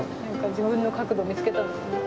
自分の角度を見つけたんでしょうね。